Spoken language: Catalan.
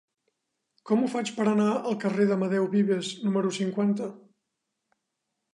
Com ho faig per anar al carrer d'Amadeu Vives número cinquanta?